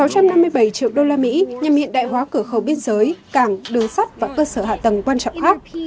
sáu trăm năm mươi bảy triệu đô la mỹ nhằm hiện đại hóa cửa khẩu biên giới cảng đường sắt và cơ sở hạ tầng quan trọng khác